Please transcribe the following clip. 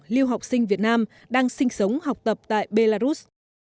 lưu học sinh việt nam đang sinh sống học tập tại belarus